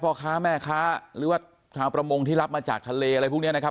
พ่อค้าแม่ค้าหรือว่าชาวประมงที่รับมาจากทะเลอะไรพวกนี้นะครับ